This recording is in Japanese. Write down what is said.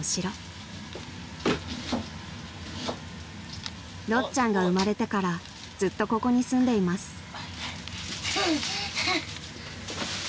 ［ろっちゃんが生まれてからずっとここに住んでいます］